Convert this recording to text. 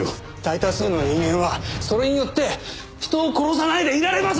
大多数の人間はそれによって人を殺さないでいられます！